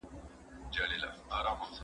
زه به سبا درسونه ولوستم!